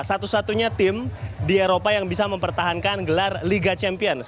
satu satunya tim di eropa yang bisa mempertahankan gelar liga champions